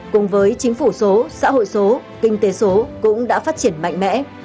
cùng với chính phủ số xã hội số kinh tế số cũng đã phát triển mạnh mẽ